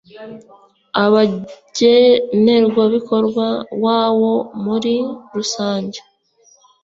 abagenerwa umutungo wawo muri rusange